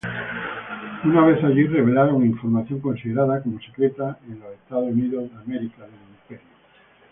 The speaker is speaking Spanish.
Una vez allí revelaron información considerada como secreta en Estados Unidos.